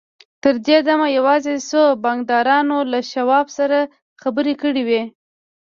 تر دې دمه یوازې څو بانکدارانو له شواب سره خبرې کړې وې